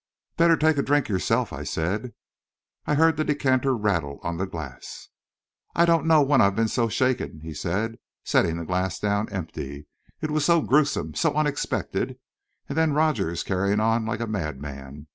"Better take a drink yourself," I said. I heard the decanter rattle on the glass. "I don't know when I have been so shaken," he said, setting the glass down empty. "It was so gruesome so unexpected and then Rogers carrying on like a madman.